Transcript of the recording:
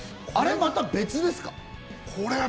あれまた別ですか？